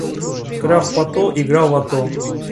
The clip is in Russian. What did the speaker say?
Граф Патто играл в лото.